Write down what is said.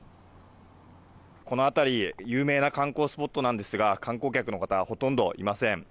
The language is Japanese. この辺り有名な観光スポットなんですが観光客の方はほとんどいません。